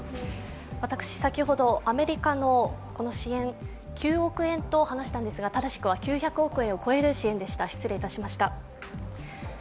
私、先ほどアメリカの支援、９億円と話したんですが、正しくは９００億円を超える支援でした、失礼いたしました。